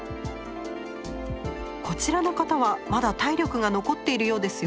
こちらの方はまだ体力が残っているようですよ。